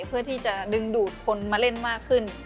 เพื่อที่จะดึงดูดคนมาเล่นมากขึ้น